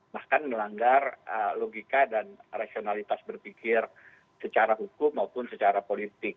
bahkan melanggar logika dan rasionalitas berpikir secara hukum maupun secara politik